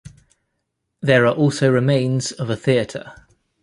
There are also remains of a theatre.